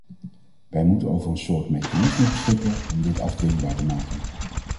Wij moeten over een soort mechanisme beschikken om dit afdwingbaar te maken.